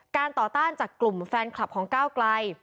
ต่อต้านจากกลุ่มแฟนคลับของก้าวไกล